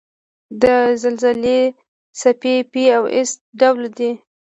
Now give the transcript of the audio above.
د زلزلې څپې P او S ډوله دي.